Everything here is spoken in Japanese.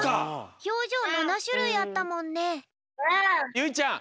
ゆいちゃん